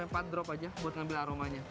ini pake tiga empat drop aja buat ngambil aromanya